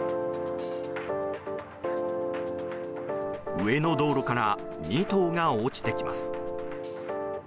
上の道路から２頭が落ちてきます。